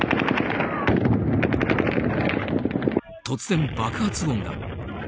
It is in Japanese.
突然、爆発音が。